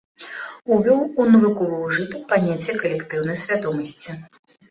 Увёў у навуковы ўжытак паняцце калектыўнай свядомасці.